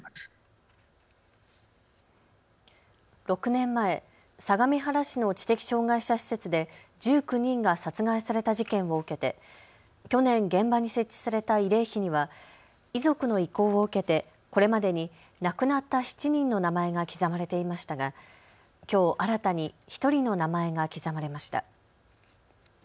６年前、相模原市の知的障害者施設で１９人が殺害された事件を受けて去年、現場に設置された慰霊碑には遺族の意向を受けてこれまでに亡くなった７人の名前が刻まれていましたがきょう、新たに１人の名前が刻まれました。